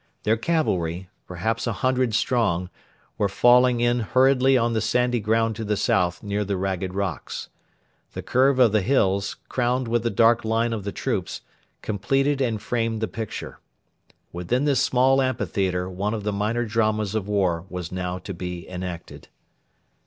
Their cavalry, perhaps a hundred strong, were falling in hurriedly on the sandy ground to the south near the ragged rocks. The curve of the hills, crowned with the dark line of the troops, completed and framed the picture. Within this small amphitheatre one of the minor dramas of war was now to be enacted.